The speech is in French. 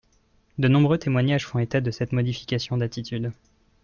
De nombreux témoignages font état de cette modification d’attitude.